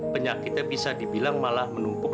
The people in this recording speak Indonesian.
penyakitnya bisa dibilang malah menumpuk